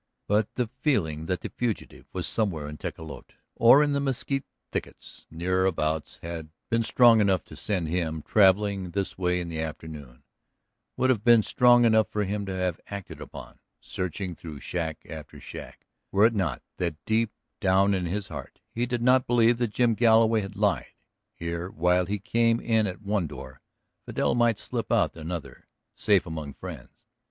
But the feeling that the fugitive was somewhere in Tecolote or in the mesquite thickets near abouts had been strong enough to send him travelling this way in the afternoon, would have been strong enough for him to have acted upon, searching through shack after shack, were it not that deep down in his heart he did not believe that Jim Galloway had lied. Here, while he came in at one door Vidal might slip out at another, safe among friends.